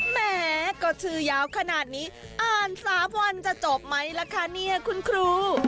แหมก็ชื่อยาวขนาดนี้อ่าน๓วันจะจบไหมล่ะคะเนี่ยคุณครู